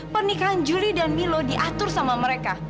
pernikahan juli dan milo diatur sama mereka